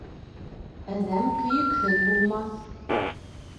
Әҙәм көйөкһөҙ булмаҫ.